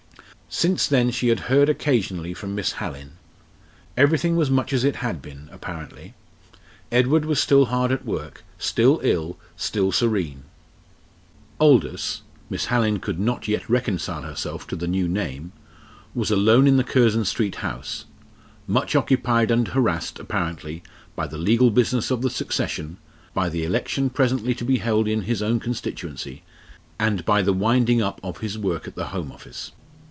Since then she had heard occasionally from Miss Hallin. Everything was much as it had been, apparently. Edward was still hard at work, still ill, still serene. "Aldous" Miss Hallin could not yet reconcile herself to the new name was alone in the Curzon Street house, much occupied and harassed apparently by the legal business of the succession, by the election presently to be held in his own constituency, and by the winding up of his work at the Home Office.